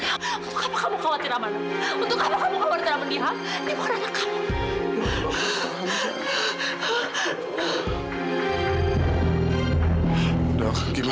untuk apa kamu khawatir sama dia ini bukan anak kamu